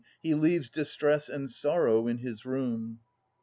He leaves distress and sorrow in his room